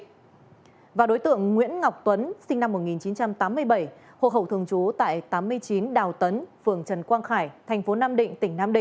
cũng phạm tội cướp tài sản và phải nhận quyết định truy nã đối tượng nguyễn ngọc tuấn sinh năm một nghìn chín trăm tám mươi bảy hộp hậu thường chú tại tám mươi chín đào tấn phường trần quang khải thành phố nam định tỉnh nam định